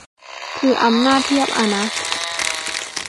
คืออำนาจเพียบอะนะ